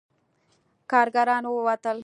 کارګران ووتل.